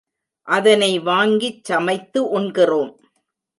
அதனை வாங்கிச் சமைத்து உண்கிறோம்.